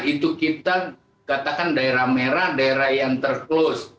itu kita katakan daerah merah daerah yang ter close